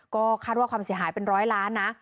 ก็คาดว่าความเสียหายเป็นร้อยล้านนะ